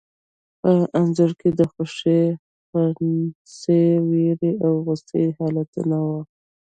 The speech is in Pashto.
په انځور کې د خوښي، خنثی، وېرې او غوسې حالتونه وو.